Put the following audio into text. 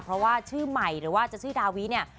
เพราะว่าชื่อใหม่หรือว่าจะชื่อดาวิเนี่ย